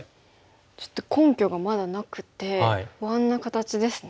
ちょっと根拠がまだなくて不安な形ですね。